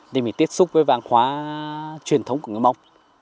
mình tiếp xúc với văn hóa truyền thống của người mông